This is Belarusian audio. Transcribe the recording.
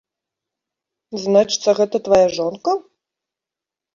Значыцца, гэта твая жонка?